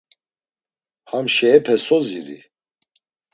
Ham şeepe so ziri?